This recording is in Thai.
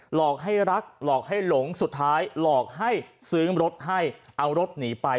หลอกให้รักหลอกให้หลงสุดท้ายหลอกให้ซื้อรถให้เอารถหนีไป